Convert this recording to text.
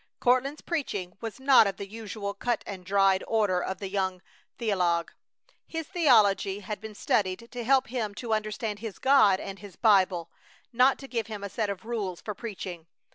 Courtland's preaching was not of the usual cut and dried order of the young theologue. His theology had been studied to help him to understand his God and his Bible, not to give him a set of rules for preaching.